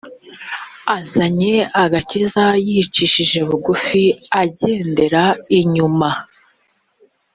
azanye agakiza yicishije bugufi agendera inyuma